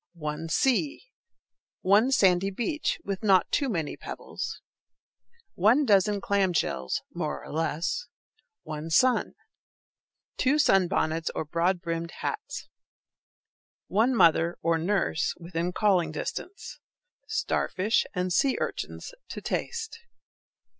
One sea. One sandy beach, with not too many pebbles. One dozen clam shells (more or less). One sun. Two sunbonnets, or broad brimmed hats. One mother, or nurse, within calling distance. Starfish and sea urchins to taste.